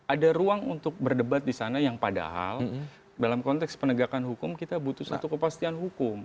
ada ruang untuk berdebat di sana yang padahal dalam konteks penegakan hukum kita butuh satu kepastian hukum